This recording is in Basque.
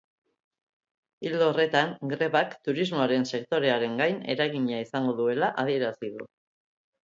Ildo horretan, grebak turismoaren sektorearen gain eragina izango duela adierazi du.